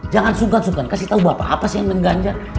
jangan sungkan sungkan kasih tau bapak apa sih yang mengganjal